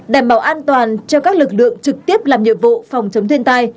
đảm bảo an toàn cho các lực lượng trực tiếp làm nhiệm vụ phòng chống thiên tai